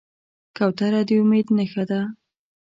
کوتره د امید نښه ده.